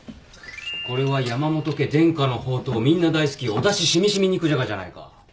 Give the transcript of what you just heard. これは山本家伝家の宝刀みんな大好きおだし染み染み肉じゃがじゃないか。